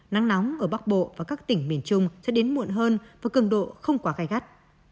nắng nóng ở bắc bộ và các tỉnh miền trung sẽ đến muộn hơn với cường độ không quá gai gắt